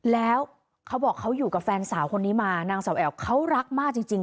แล้วเขาบอกเขาอยู่กับแฟนสาวคนนี้มานางสาวแอ๋วเขารักมากจริง